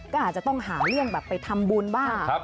ก็อาจจะหาเรื่องไปทำบุญบ้าง